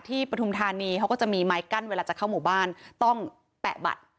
ปฐุมธานีเขาก็จะมีไม้กั้นเวลาจะเข้าหมู่บ้านต้องแปะบัตร